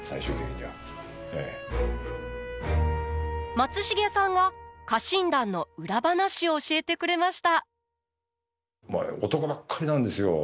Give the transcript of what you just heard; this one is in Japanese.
松重さんが家臣団の裏話を教えてくれました。